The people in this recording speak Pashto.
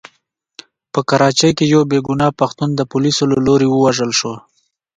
په کراچۍ کې يو بې ګناه پښتون د پوليسو له لوري ووژل شو.